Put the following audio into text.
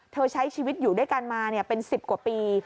ใช้ชีวิตอยู่ด้วยกันมาเป็น๑๐กว่าปี